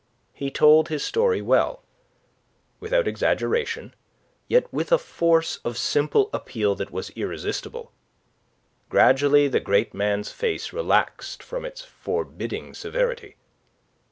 He told his story well, without exaggeration, yet with a force of simple appeal that was irresistible. Gradually the great man's face relaxed from its forbidding severity.